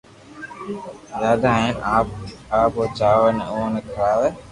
دآدا ھين آپ او چاور جي اووہ ني کراوي